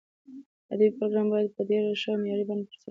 ادبي پروګرامونه باید په ډېر ښه او معیاري بڼه سره ترسره شي.